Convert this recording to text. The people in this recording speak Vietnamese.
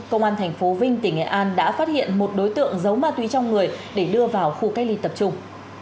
công an tp vinh tỉnh nghệ an đã phát hiện một đối tượng giấu ma túy trong người để đưa vào khu cách ly tập trung